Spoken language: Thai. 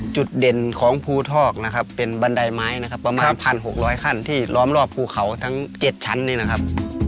จุดเด่นของภูทอกนะครับเป็นบันไดไม้นะครับประมาณ๑๖๐๐ขั้นที่ล้อมรอบภูเขาทั้ง๗ชั้นนี้นะครับ